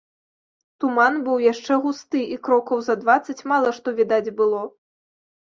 Туман быў яшчэ густы, і крокаў за дваццаць мала што відаць было.